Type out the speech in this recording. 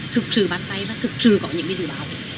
thực sự bán tay và thực sự có những dự báo